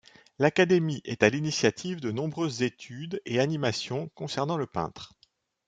L'académie est à l'initiative de nombreuses études et animations concernant le peintre.